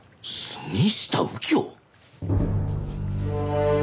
杉下右京？